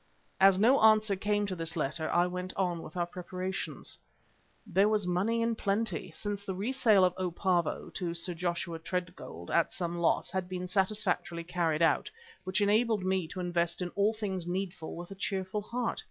As no answer came to this letter I went on with our preparations. There was money in plenty, since the re sale of "O. Pavo" to Sir Joshua Tredgold, at some loss, had been satisfactorily carried out, which enabled me to invest in all things needful with a cheerful heart.